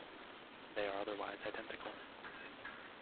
They are otherwise identical.